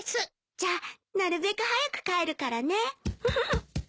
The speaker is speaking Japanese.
じゃあなるべく早く帰るからねフフフ。